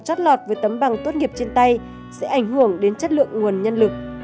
chót lọt với tấm bằng tốt nghiệp trên tay sẽ ảnh hưởng đến chất lượng nguồn nhân lực